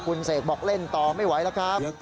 คุณเสกบอกเล่นต่อไม่ไหวแล้วครับ